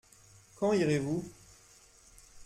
Quand irez-vous ?